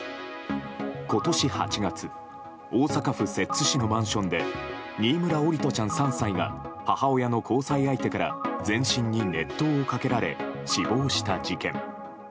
今年８月大阪府摂津市のマンションで新村桜利斗ちゃん、３歳が母親の交際相手から全身に熱湯をかけられ死亡した事件。